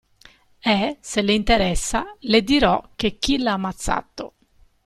E, se le interessa, le dirò che chi l'ha ammazzato.